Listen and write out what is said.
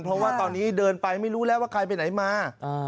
เพราะว่าตอนนี้เดินไปไม่รู้แล้วว่าใครไปไหนมา